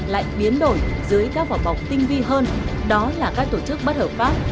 lại biến đổi dưới các vỏ bọc tinh vi hơn đó là các tổ chức bất hợp pháp